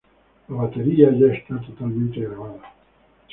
La batería ya está totalmente grabada.